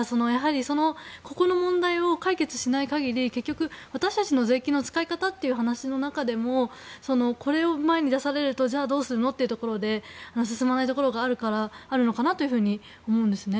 ここの問題を解決しない限りやっぱり私たちの税金の使い方という話の中でもこれを前に出されるとじゃあどうするのというところで進まないところがあるのかなと思うんですね。